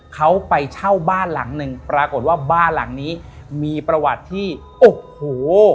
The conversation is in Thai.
เขาไปเช่าบ้านหลังหนึ่งปรากฏว่าบ้านหลังนี้มีประวัติที่โอ้โห